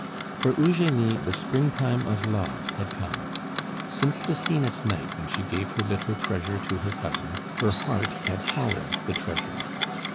For Eugenie the springtime of love had come. Since the scene at night when she gave her little treasure to her cousin, her heart had followed the treasure.